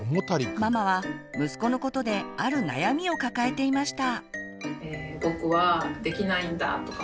ママは息子のことで「ある悩み」を抱えていました。